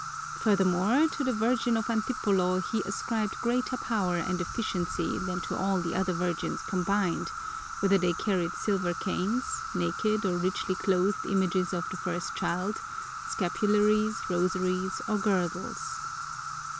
Furthermore, to the Virgin of Antipolo he ascribed greater power and efficiency than to all the other Virgins combined, whether they carried silver canes, naked or richly clothed images of the Christ Child, scapularies, rosaries, or girdles.